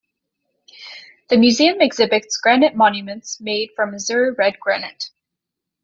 The museum exhibits granite monuments made from Missouri Red Granite.